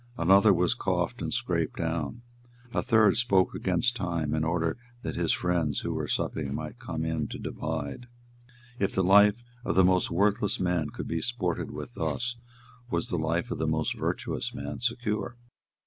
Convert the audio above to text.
Another was coughed and scraped down. A third spoke against time in order that his friends who were supping might come in to divide. If the life of the most worthless man could be sported with thus, was the life of the most virtuous man secure?